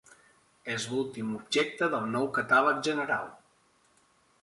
És l'últim objecte del Nou Catàleg General.